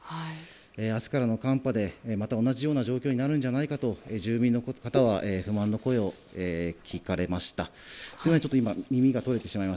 明日からの寒波でまた同じような状況になるんじゃないかと住民の方からは不安の声が聞かれました。